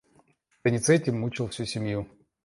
Доницетти мучил всю семью.